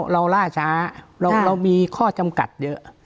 ล่าช้าเรามีข้อจำกัดเยอะ